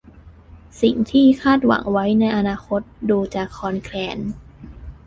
สิ่งที่คาดหวังไว้ในอนาคตดูจะคลอนแคลน